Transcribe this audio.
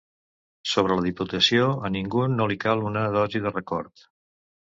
Sobre la diputació, a ningú no li cal una dosi de record.